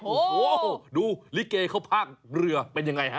โอ้โหดูลิเกเขาพากเรือเป็นยังไงฮะ